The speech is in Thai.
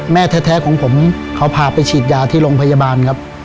แม่แท้ของผมเขาพาไปฉีดยาที่โรงพยาบาลครับ